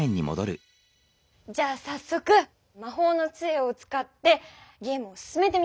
じゃあさっそくまほうのつえを使ってゲームを進めてみよう。